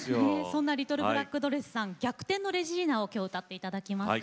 そんなリトルブラックドレスさん「逆転のレジーナ」を今日歌っていただきます。